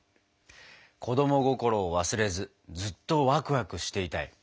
子供心を忘れずずっとワクワクしていたい。